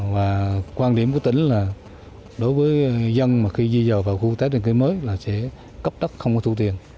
và quan điểm của tỉnh là đối với dân mà khi di dời vào khu tái định cư mới là sẽ cấp đất không có thu tiền